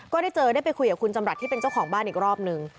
ก็ได้เจอได้ไปคุยกับคุณจำรัฐที่เป็นเจ้าของบ้านอีกรอบนึง